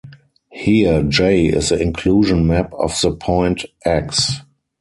Here "j" is the inclusion map of the point "x".